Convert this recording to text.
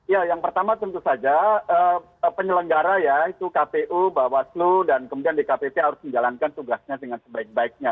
ya yang pertama tentu saja penyelenggara ya itu kpu bawaslu dan kemudian dkpp harus menjalankan tugasnya dengan sebaik baiknya